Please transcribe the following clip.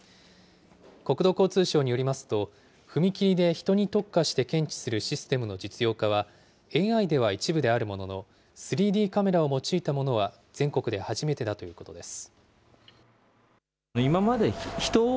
国土交通省によりますと、踏切で人に特化して検知するシステムの実用化は、ＡＩでは一部であるものの、３Ｄカメラを用いたものは全国で初めてだということです。